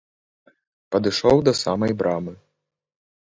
Падышоў да самай брамы.